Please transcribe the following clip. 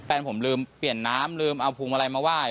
แฟนผมลืมเปลี่ยนน้ำลืมเอาภูมิอะไรมาไหว้